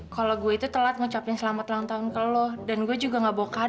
kini gini selamat ulang tahun